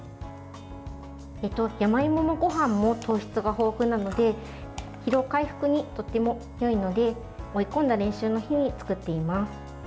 山芋もごはんも糖質が豊富なので疲労回復にとってもよいので追い込んだ練習の日に作っています。